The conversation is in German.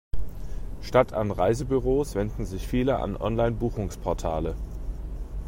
Statt an Reisebüros wenden sich viele an Online-Buchungsportale.